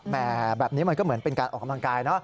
แบบนี้มันก็เหมือนเป็นการออกกำลังกายเนอะ